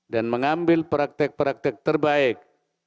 dan mengambil praktek praktek terbaik